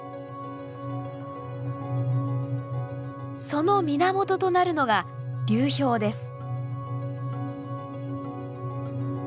その源となるのが流氷です。